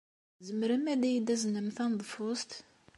Tzemrem ad iyi-d-taznem taneḍfust?